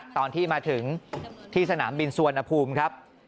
ตอนที่มาถึงที่สนามบินสุวรรณภูมิครับ